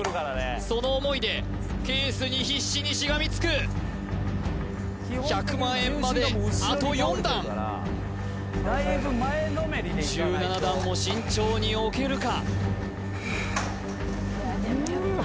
その思いでケースに必死にしがみつく１００万円まであと４段１７段も慎重に置けるか？